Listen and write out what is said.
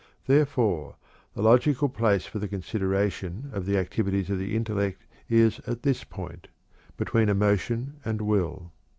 Therefore, the logical place for the consideration of the activities of the intellect is at this point between emotion and will.